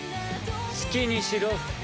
好きにしろ。